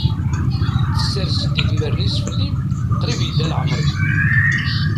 Tessers-d idmaren-is fell-i, qrib yedda laɛmer-iw.